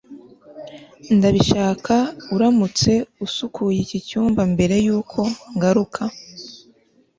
Ndabishaka uramutse usukuye iki cyumba mbere yuko ngaruka